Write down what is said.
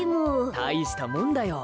たいしたもんだよ。